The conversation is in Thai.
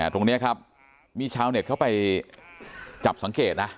ตรงนี้ครับมีชาวเน็ตเข้าไปจับสังเกตนะ